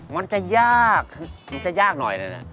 มันจะยากมันจะยากหน่อยเลยนะ